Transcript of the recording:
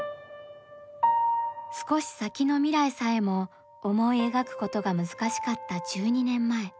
少し先の未来さえも思い描くことが難しかった１２年前。